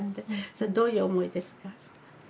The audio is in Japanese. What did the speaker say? それどういう思いですか？